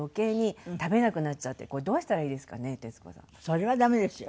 それはダメですよ